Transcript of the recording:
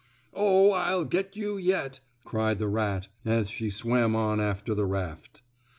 "Oh, I'll get you yet!" cried the rat, as she swam on after the raft.